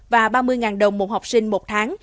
và ba mươi đồng một học sinh một tháng